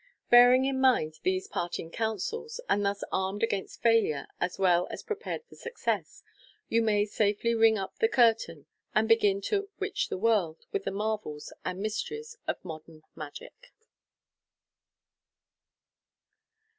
Bearing in mind these parting counsels, and thus armed against failure as well as prepared for success, you may safely ring up the curtain, and begin to "witch the world" with the marv^>e» and mysteries of MODERN MAGIC.